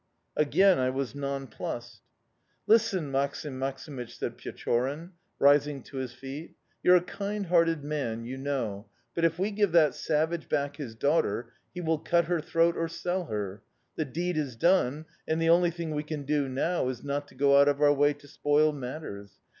"Again I was nonplussed. "'Listen, Maksim Maksimych,' said Pechorin, rising to his feet. 'You're a kind hearted man, you know; but, if we give that savage back his daughter, he will cut her throat or sell her. The deed is done, and the only thing we can do now is not to go out of our way to spoil matters.